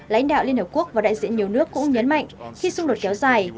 lãnh đạo liên hợp quốc và đại diện nhiều nước cũng nhấn mạnh khi xung đột kéo dài